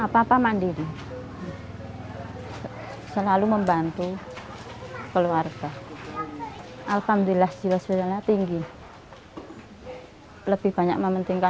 pria kelahiran sukoharjo tujuh juni seribu sembilan ratus tujuh puluh lima ini terbilang tangguh